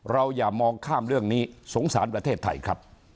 อย่ามองข้ามเรื่องนี้สงสารประเทศไทยครับ